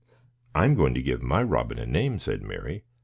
"I'm going to give my robin a name," said Mary.